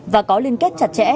và có liên kết chặt chẽ